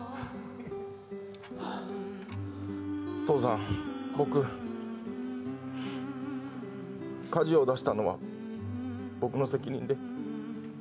父さん、僕火事を出したのは僕の責任です。